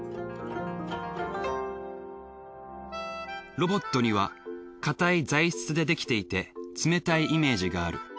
ロボットには硬い材質で出来ていて冷たいイメージがある。